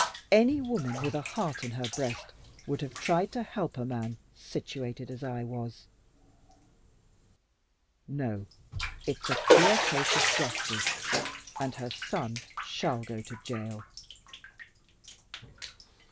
Any woman with a heart in her breast would have tried to help a man situated as I was. No, it's a clear case of justice, and her son shall go to jail."